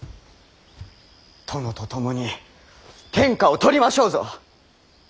殿と共に天下を取りましょうぞ！